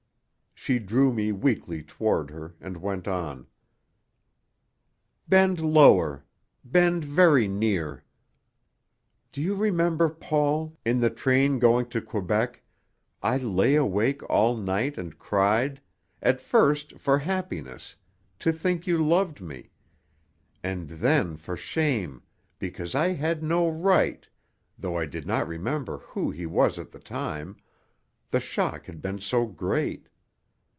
She drew me weakly toward her and went on: "Bend lower. Bend very near. Do you remember, Paul in the train going to Quebec I lay awake all night and cried, at first for happiness, to think you loved me, and then for shame, because I had no right though I did not remember who he was at the time, the shock had been so great.